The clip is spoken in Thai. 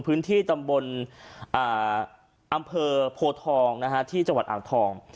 พื้นที่ตำบลอำเภอโพทองที่จังหวัดอ่างทอง